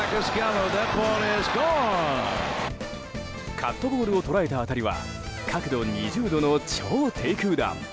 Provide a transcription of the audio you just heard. カットボールを捉えた当たりは角度２０度の超低空弾。